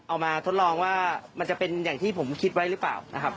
มาทดลองว่ามันจะเป็นอย่างที่ผมคิดไว้หรือเปล่านะครับ